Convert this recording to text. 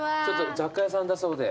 雑貨屋さんだそうで。